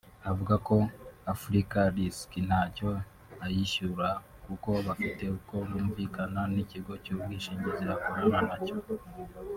Avuga ko Afrika Risk ntacyo ayishyura kuko bafite uko bumvikana n’ikigo cy’ubwishingizi akorana na cyo